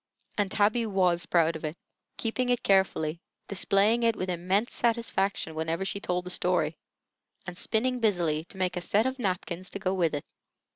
And Tabby was proud of it, keeping it carefully, displaying it with immense satisfaction whenever she told the story, and spinning busily to make a set of napkins to go with it.